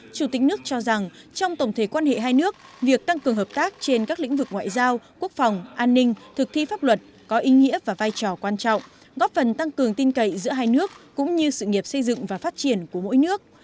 chủ tịch nước cho rằng trong tổng thể quan hệ hai nước việc tăng cường hợp tác trên các lĩnh vực ngoại giao quốc phòng an ninh thực thi pháp luật có ý nghĩa và vai trò quan trọng góp phần tăng cường tin cậy giữa hai nước cũng như sự nghiệp xây dựng và phát triển của mỗi nước